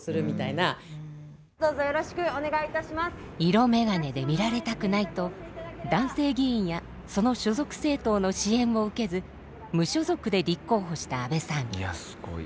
色眼鏡で見られたくないと男性議員やその所属政党の支援を受けず無所属で立候補した阿部さん。